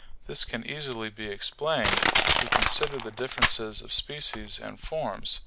This can easily be explained, if we consider the differences of species and forms.